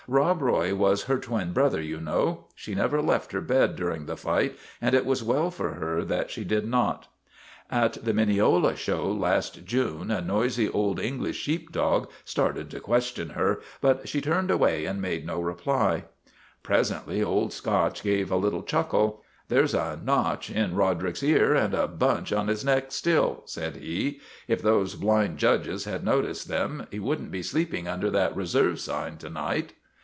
" Rob Roy was her twin brother, you know. She never left her bed during the fight, and it was well for her that she did not. " At the Mineola show last June a nosy Old Eng ii2 JUSTICE AT VALLEY BROOK lish sheep dog started to question her ; but she turned away and made no reply." Presently Old Scotch gave a little chuckle. " There 's a notch in Roderick's ear and a bunch on his neck still," said he. '* If those blind judges had noticed them, he would n't be sleeping under that ' Reserve ' sign to night."